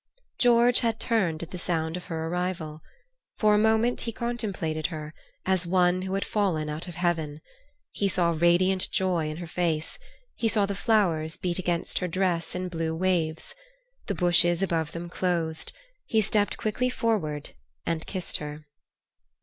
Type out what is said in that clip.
George had turned at the sound of her arrival. For a moment he contemplated her, as one who had fallen out of heaven. He saw radiant joy in her face, he saw the flowers beat against her dress in blue waves. The bushes above them closed. He stepped quickly forward and kissed her.